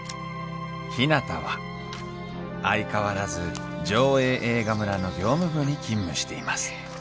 ひなたは相変わらず条映映画村の業務部に勤務しています